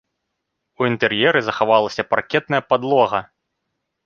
У інтэр'еры захавалася паркетная падлога.